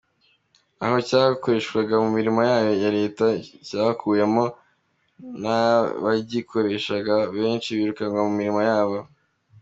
Aho cyakoreshwaga mu mirimo ya leta cyakuwemo n’ abagikoreshaga benshi birukanwa mu mirimo yabo.